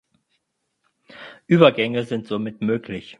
Übergänge sind somit möglich.